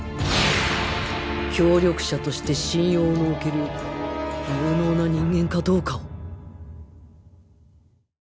協力者として信用のおける有能な人間かどうかを